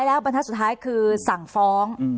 แล้วสุดท้ายคือสั่งฟ้อง